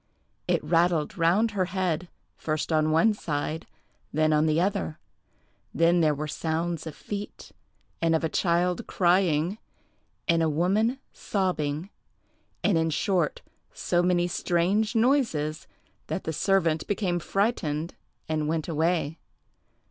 It rattled round her head, first on one side, then on the other; then there were sounds of feet, and of a child crying, and a woman sobbing; and, in short, so many strange noises that the servant became frightened and went away.